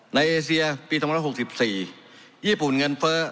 เอเซียปี๒๖๔ญี่ปุ่นเงินเฟ้อ